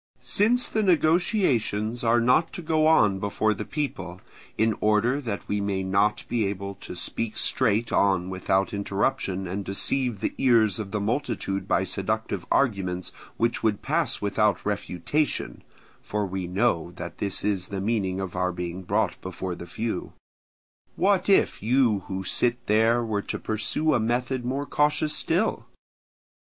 Since the negotiations are not to go on before the people, in order that we may not be able to speak straight on without interruption, and deceive the ears of the multitude by seductive arguments which would pass without refutation (for we know that this is the meaning of our being brought before the few), what if you who sit there were to pursue a method more cautious still?